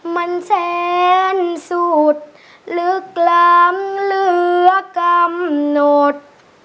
มันแสนสุดลึกล้ำเหลือกำหนด